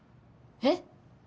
えっ！？